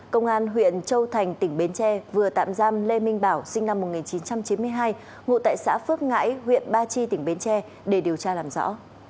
công an huyện châu thành tỉnh bến tre vừa tạm giam lê minh bảo sinh năm một nghìn chín trăm chín mươi hai ngụ tại xã phước ngãi huyện ba chi tỉnh bến tre để điều tra làm rõ